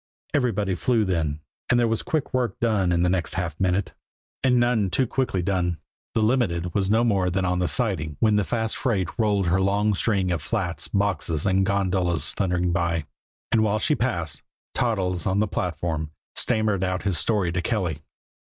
Everybody flew then, and there was quick work done in the next half minute and none too quickly done the Limited was no more than on the siding when the fast freight rolled her long string of flats, boxes and gondolas thundering by. And while she passed, Toddles, on the platform, stammered out his story to Kelly.